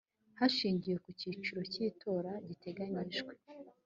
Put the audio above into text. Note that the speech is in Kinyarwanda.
hashingiwe ku cyiciro cy itora giteganyijwe